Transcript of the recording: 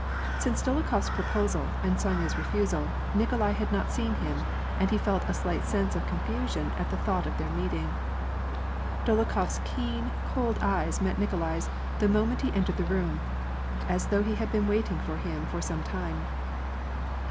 Since Dolokhof's proposal and Sonya's ref^al, Nikolai had not seen him, and he felt a slight sense of confusion at the thought of their meeting. Dolokhof's keen, cold eyes met Nikolai's the moment he en tered the room, as though he had been waiting for him for some time.